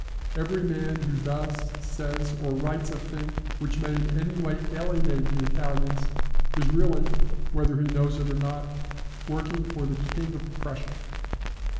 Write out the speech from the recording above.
Every man who does, says, or writes a thing which may in any way alienate the Italians is really, whether he knows it or not, working for the King of Prussia.